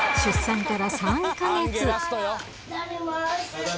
出産から３か月。